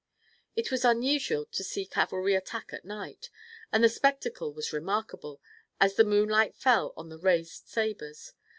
It was unusual to see cavalry attack at night, and the spectacle was remarkable, as the moonlight fell on the raised sabers.